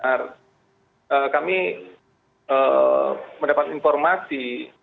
karena kami mendapat informasi